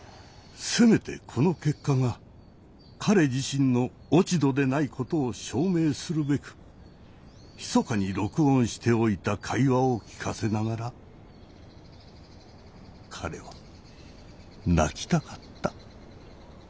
せめてこの結果が彼自身の落ち度でないことを証明するべくひそかに録音しておいた会話を聞かせながら彼は泣きたかった。